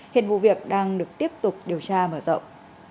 hiện vụ việc đang được tiếp tục điều tra mở rộng